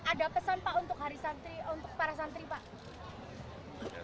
ada pesan pak untuk hari santri untuk para santri pak